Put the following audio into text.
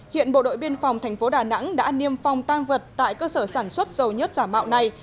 hiện bộ đội biên phòng thành phố đà nẵng đã niêm phòng tan vật tại cơ sở sản xuất dầu nhất giả mạo này